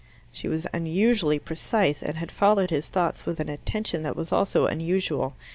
She was unusually precise, and had followed his thoughts with an attention that was also unusual.